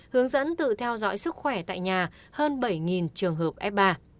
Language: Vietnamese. hướng dẫn tự theo dõi sức khỏe tại nhà hơn bảy trường hợp f ba